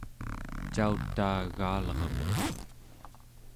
cautaa egalermun